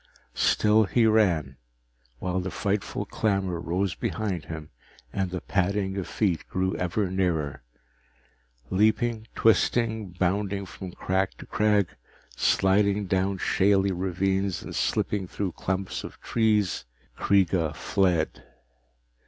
Still he ran, while the frightful clamor rose behind him and the padding of feet grew ever nearer. Leaping, twisting, bounding from crag to crag, sliding down shaly ravines and slipping through clumps of trees, Kreega fled.